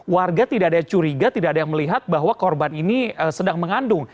warga tidak ada yang curiga tidak ada yang melihat bahwa korban ini sedang mengandung